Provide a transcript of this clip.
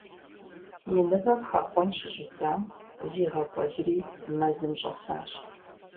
И ныбэм хэхъуэн щыщӀидзэм, зигъэкӀуэдри, мэзым щӀэсащ.